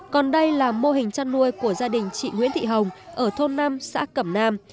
còn đây là mô hình chăn nuôi của gia đình chị nguyễn thị hồng ở thôn năm xã cẩm nam